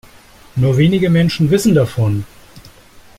Nur wenige Menschen wissen davon.